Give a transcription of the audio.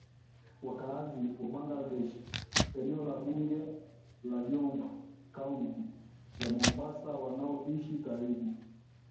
Wakaazi wa Bangladesh eneo bunge la Jomvu kaunti ya Mombasa wanaoishi karibu